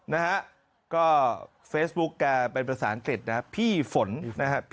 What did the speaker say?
นะฮะก็เฟซบุ๊กแกเป็นภาษาอังกฤษนะครับพี่ฝนนะครับ